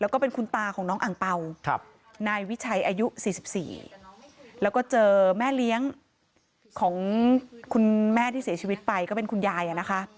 ของคุณแม่ที่เสียชีวิตไปก็เป็นคุณยายอะนะคะ